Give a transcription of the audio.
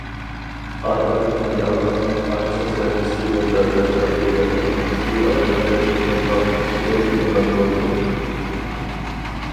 ئارقىدىن رېئاللىقنىڭ ئاچچىق زەربىسىگە بەرداشلىق بېرەلمەي ئىككى ئايغا يەتمىگەن ۋاقىت ئىچىدە گۇمران بولىدۇ.